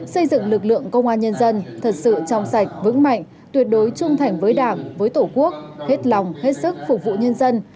xây dựng lực lượng công an nhân dân thật sự trong sạch vững mạnh tuyệt đối trung thành với đảng với tổ quốc hết lòng hết sức phục vụ nhân dân